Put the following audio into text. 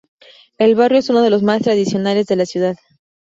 El barrio es uno de los más tradicionales de la ciudad.